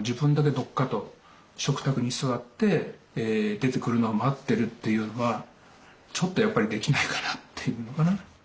自分だけどっかと食卓に座って出てくるのを待ってるというのはちょっとやっぱりできないかなっていうのかな。